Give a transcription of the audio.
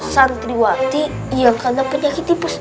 santriwati yang kena penyakit tipes